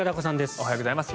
おはようございます。